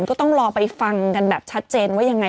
ก็ต้องรอไปฟังกันแบบชัดเจนว่ายังไง